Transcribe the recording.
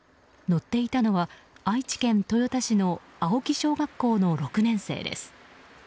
乗っていたのは愛知県豊田市の青木小学校の６年生です。